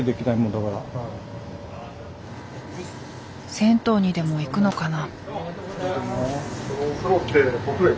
銭湯にでも行くのかな。